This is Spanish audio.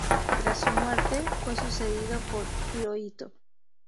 Tras su muerte, fue sucedido por Hirohito.